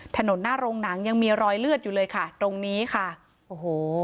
ถนนหน้าโรงหนังยังมีรอยเลือดอยู่เลยค่ะตรงนี้ค่ะโอ้โห